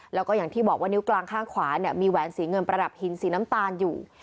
แล้วก็อย่างที่บอกว่านิ้วกลางข้างขวาเนี่ยมีแหวนสีเงินประดับหินสีน้ำตาลอยู่